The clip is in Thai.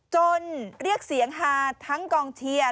เรียกเสียงฮาทั้งกองเชียร์